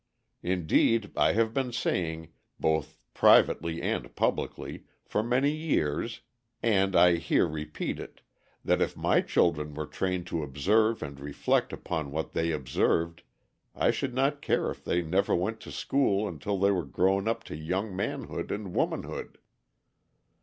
Indeed, I have been saying, both privately and publicly, for many years, and I here repeat it, that if my children were trained to observe and reflect upon what they observed I should not care if they never went to school until they were grown up to young manhood and womanhood.